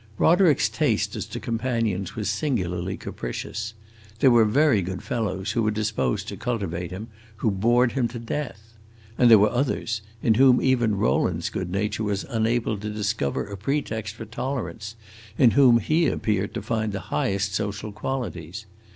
Roderick's taste as to companions was singularly capricious. There were very good fellows, who were disposed to cultivate him, who bored him to death; and there were others, in whom even Rowland's good nature was unable to discover a pretext for tolerance, in whom he appeared to find the highest social qualities.